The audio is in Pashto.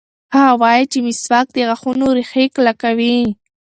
هغه وایي چې مسواک د غاښونو ریښې کلکوي.